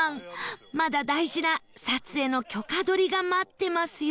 まだ大事な撮影の許可取りが待ってますよ